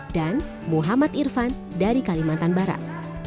dan muhammad irfan dari kalimantan barat